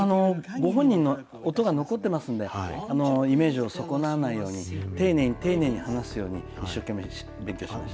ご本人の音が残ってますので、イメージを損なわないように、丁寧に丁寧に話すように、一生懸命勉強しました。